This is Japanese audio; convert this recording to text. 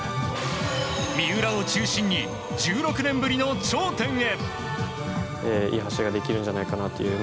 三浦を中心に１６年ぶりの頂点へ。